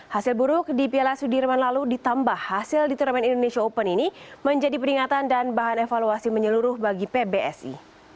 hasil buruk di piala sudirman lalu ditambah hasil di turnamen indonesia open ini menjadi peringatan dan bahan evaluasi menyeluruh bagi pbsi